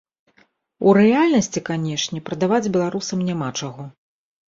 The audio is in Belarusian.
У рэальнасці, канешне, прадаваць беларусам няма чаго.